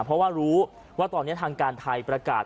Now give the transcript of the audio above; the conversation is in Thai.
เพราะว่ารู้ว่าตอนนี้ทางการไทยประกาศ